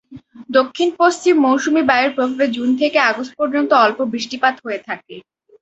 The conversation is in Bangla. দক্ষিণপশ্চিম মৌসুমী বায়ুর প্রভাবে জুন থেকে আগস্ট পর্যন্ত অল্প বৃষ্টিপাত হয়ে থাকে।